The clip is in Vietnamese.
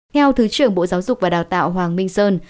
theo thứ trưởng bộ giáo dục và đào tạo hoàng minh sơn